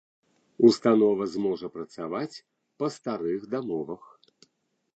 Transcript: Установа зможа працаваць па старых дамовах.